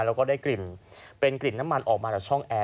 แล้วก็ได้กลิ่นเป็นกลิ่นน้ำมันออกมาจากช่องแอร์